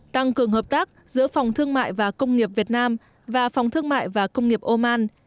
tăng cường hợp tác giữa phòng thương mại và công nghiệp việt nam và phòng thương mại và công nghiệp oman